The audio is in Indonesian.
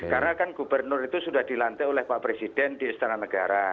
karena kan gubernur itu sudah dilantik oleh pak presiden di istana negara